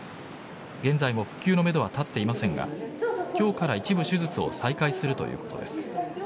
現在も復旧のめどは立っていませんが今日から一部手術を再開するということです。